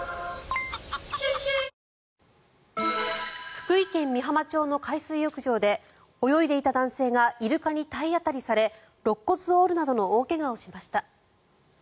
福井県美浜町の海水浴場で泳いでいた男性がイルカに体当たりされろっ骨を折るなどの大怪我をしました。